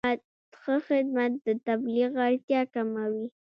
ښه خدمت د تبلیغ اړتیا کموي.